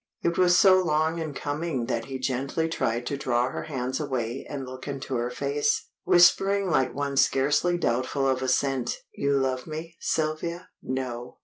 It was so long in coming that he gently tried to draw her hands away and look into her face, whispering like one scarcely doubtful of assent "You love me, Sylvia?" "No."